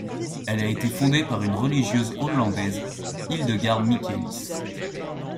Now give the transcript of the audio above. Elle a été fondée par une religieuse hollandaise, Hildegard Michaelis.